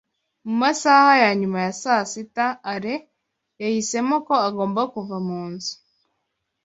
Mu masaha ya nyuma ya saa sita, Alain yahisemo ko agomba kuva mu nzu.